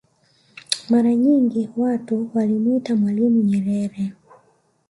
Mara nyingi watu walimwita mwalimu Nyerere